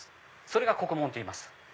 それが刻紋といいます。